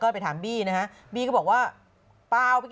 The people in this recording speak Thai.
โมค่ามีแฟนใหม่แล้ว